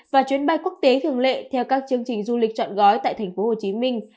và chuyến bay quốc tế thường lệ theo các chương trình du lịch chọn gói tại thành phố hồ chí minh